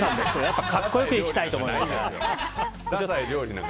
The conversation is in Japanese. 格好よくいきたいと思いまして。